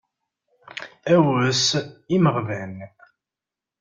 Awes imeɣban.